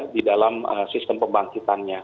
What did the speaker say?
di dalam sistem pembangkitannya